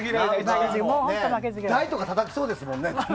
台とかたたきそうですもんね。